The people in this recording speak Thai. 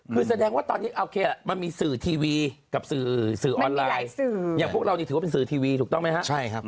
คือแสดงว่าตอนนี้โอเคมันมีสื่อทีวีกับสื่อออนไลน์อย่างพวกเรานี่ถือว่าเป็นสื่อทีวีถูกต้องไหมครับ